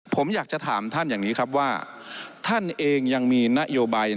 ผมอยากจะถามท่านอย่างนี้ครับว่าท่านเองยังมีนโยบาย